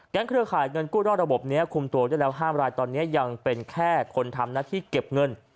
เครือข่ายเงินกู้นอกระบบนี้คุมตัวได้แล้ว๕รายตอนนี้ยังเป็นแค่คนทำหน้าที่เก็บเงิน